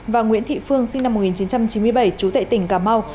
và nguyễn thị phương sinh năm một nghìn chín trăm chín mươi bảy trú tại tỉnh cà mau